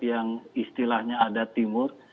yang istilahnya adat timur